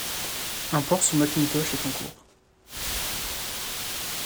Un port sous Macintosh est en cours.